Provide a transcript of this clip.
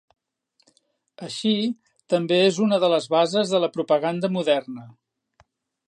Així, també és una de les bases de la propaganda moderna.